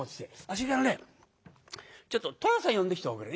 それからねちょっと寅さん呼んできておくれ。